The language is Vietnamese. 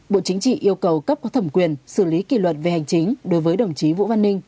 bộ chính trị yêu cầu cấp có thẩm quyền xử lý kỷ luật về hành chính đối với đồng chí vũ văn ninh